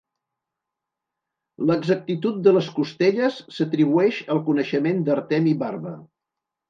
L’exactitud de les costelles s’atribueix al coneixement d'Artemi Barba.